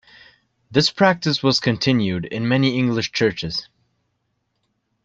This practice was continued in many English churches.